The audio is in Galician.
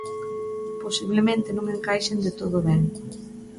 Posiblemente non encaixen de todo ben.